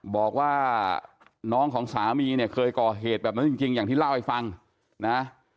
บอกว่าน้องของสามีเนี่ยเคยก่อเหตุแบบนั้นจริงอย่างที่เล่าให้ฟังนะ